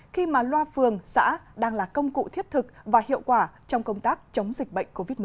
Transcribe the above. khi mà loa phường xã đang là công cụ thiết thực và hiệu quả trong công tác chống dịch bệnh covid một mươi chín